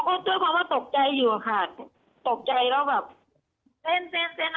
เส้นสิเซ็นมันจะทำอะไรประมาณเนี้ยค่ะ